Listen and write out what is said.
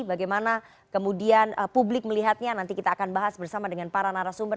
bagaimana kemudian publik melihatnya nanti kita akan bahas bersama dengan para narasumber